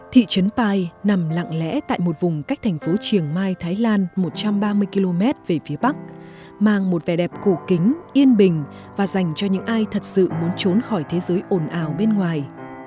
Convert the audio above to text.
thị trấn pai nằm lặng lẽ tại một vùng cách thành phố triều mai thái lan một trăm ba mươi km về phía bắc mang một vẻ đẹp cổ kính yên bình và dành cho những ai thật sự muốn trốn khỏi thế giới ồn ào bên ngoài